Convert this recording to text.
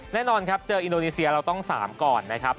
แน่นอนครับเจออินโดนีเซียเราต้อง๓ก่อนนะครับ